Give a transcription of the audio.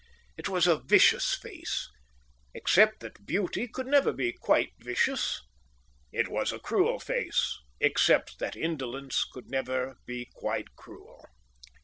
It was a vicious face, except that beauty could never be quite vicious; it was a cruel face, except that indolence could never be quite cruel.